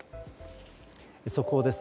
速報です。